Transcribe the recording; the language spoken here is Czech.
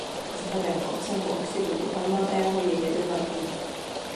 Vzhledem k obsahu oxidu uhelnatého je jedovatý.